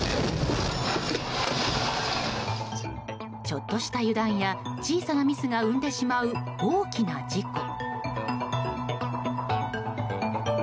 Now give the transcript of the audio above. ちょっとした油断や小さなミスが生んでしまう大きな事故。